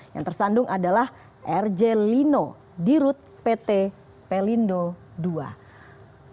yang tersandung adalah rj lino dirut pt pelindo ii